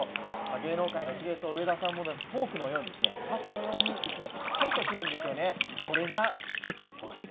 芸能界の司令塔上田さんのフォークのようにパスのように、いつもぴったりとくるんですよね。